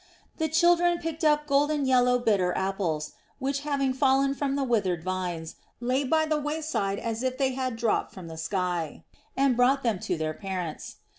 The children picked up golden yellow bitter apples, which having fallen from the withered vines, lay by the wayside as if they had dropped from the sky, and brought them to their parents.